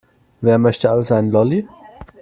Wer möchte alles einen Lolli?